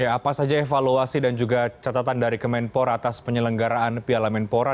apa saja evaluasi dan juga catatan dari kemenpor atas penyelenggaraan piala menpora